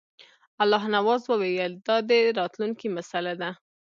الله نواز وویل دا د راتلونکي مسله ده.